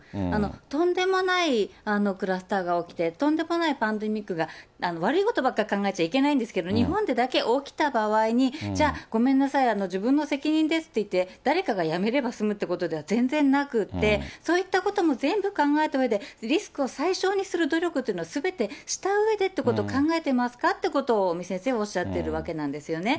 とんでもないクラスターが起きて、とんでもないパンデミックが、悪いことばっかり考えちゃいけないんですけど、日本でだけ起きた場合に、じゃあ、ごめんなさい、自分の責任ですって言って、誰かが辞めれば済むってことでは全然なくって、そういったことも全部考えたうえで、リスクを最小にする努力というのをすべてしたうえでってことを考えてますかってことを、尾身先生はおっしゃってるわけなんですよ